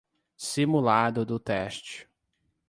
Simulado do teste